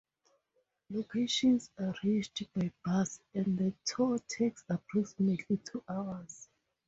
Locations are reached by bus, and the tour takes approximately two hours.